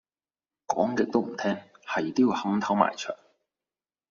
講極都唔聽，係要撼頭埋牆。